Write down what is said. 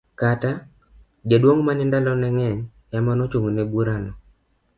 Kata, jaduong mane ndalo ne ngeny emane ochung' ne bura no.